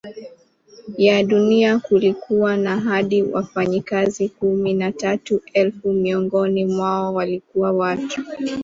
ya Dunia kulikuwa na hadi wafanyakazi kumi na tatu elfu Miongoni mwao walikuwa watu